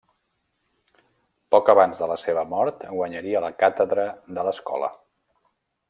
Poc abans de la seva mort guanyaria la càtedra de l'escola.